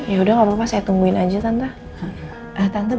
yaudah gapapa saya temuin aja tante